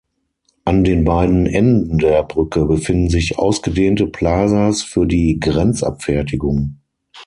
An den beiden Enden der Brücke befinden sich ausgedehnte Plazas für die Grenzabfertigung.